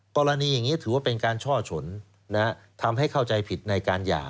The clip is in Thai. กรณีอย่างนี้ถือว่าเป็นการช่อฉนทำให้เข้าใจผิดในการหย่า